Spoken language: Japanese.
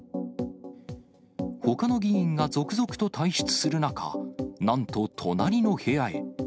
ほかの議員が続々と退出する中、なんと隣の部屋へ。